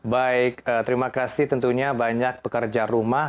baik terima kasih tentunya banyak pekerja rumah